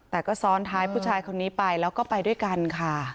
แต่ก็ซ้อนท้ายผู้ชายคนนี้ไปแล้วก็ไปด้วยกันค่ะ